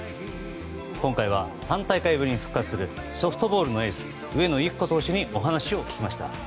今回は３大会ぶりに復活するソフトボールのエース上野由岐子投手にお話を聞きました。